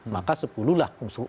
maka sepuluh lah